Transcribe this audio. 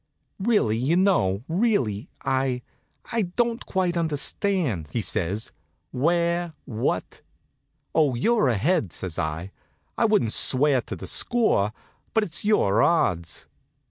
"Really, you know, really I I don't quite understand," he says. "Where what " "Oh, you're ahead," says I. "I wouldn't swear to the score; but it's your odds."